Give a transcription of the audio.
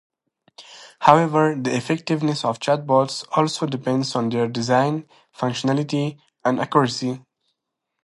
However, the effectiveness of chatbots also depends on their design, functionality, and accuracy.